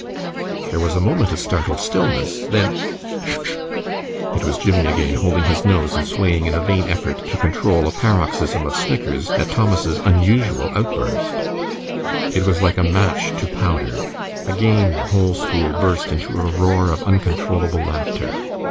There was a moment of startled stillness, then, "tchik! tchik!" It was Jimmie again, holding his nose and swaying in a vain effort to control a paroxysm of snickers at Thomas' unusual outburst. It was like a match to powder. Again the whole school burst into a roar of uncontrollable laughter.